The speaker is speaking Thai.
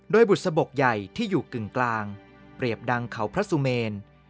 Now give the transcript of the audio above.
โดยบุษบกใหญ่ที่อยู่กึ่งกลางเปรียบดังเขาพระสุเมน